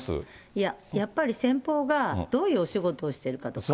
いや、やっぱり先方がどういうお仕事をしてるかとか。